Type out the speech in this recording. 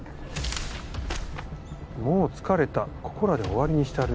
「もう疲れたここらで終わりにしたる」